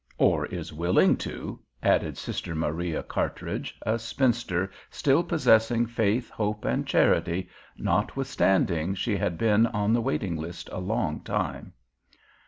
"Or is willing to," added Sister Maria Cartridge, a spinster still possessing faith, hope, and charity, notwithstanding she had been on the waiting list a long time.